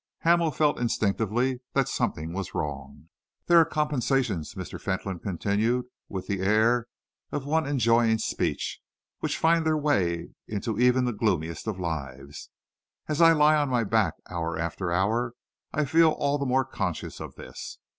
Hamel felt instinctively that something was wrong. "There are compensations," Mr. Fentolin continued, with the air of one enjoying speech, "which find their way into even the gloomiest of lives. As I lie on my back, hour after hour, I feel all the more conscious of this.